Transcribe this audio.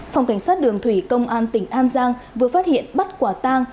phòng cảnh sát đường thủy công an tỉnh an giang vừa phát hiện bắt quả tang